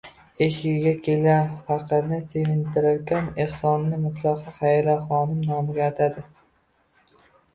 Eshigiga kelgan faqirni sevintirarkan, ehsonini mutlaqo Xayriyaxonim nomiga atadi.